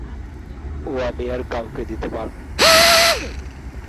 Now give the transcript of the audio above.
ও আমি আর কাউকে দিতে পারব না।